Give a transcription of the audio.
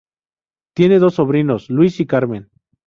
Tiene dos sobrinos: Luis y Carmen.